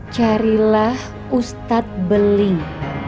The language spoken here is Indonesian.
carilah ustadz beling